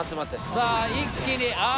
さあ一気にあぁ